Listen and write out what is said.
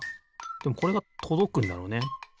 でもこれがとどくんだろうね。